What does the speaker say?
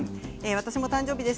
私も誕生日です。